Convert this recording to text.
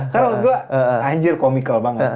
karena menurut gue anjir komikal banget